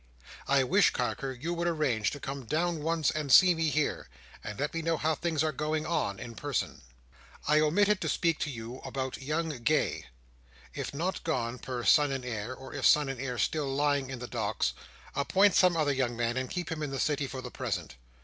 "I wish, Carker, you would arrange to come down once and see me here, and let me know how things are going on, in person." "I omitted to speak to you about young Gay. If not gone per Son and Heir, or if Son and Heir still lying in the Docks, appoint some other young man and keep him in the City for the present.